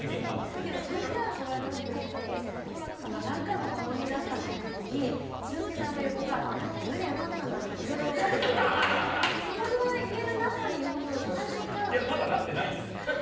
さっきのＶＴＲをご覧になってる時に好楽さんが何回も破門になったっていう時に一之輔さんが横からあの時辞めれば良かったんだっていろいろおっしゃってたんですけどまだなってないんですよ。